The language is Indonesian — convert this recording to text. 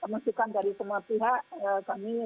masukkan dari semua pihak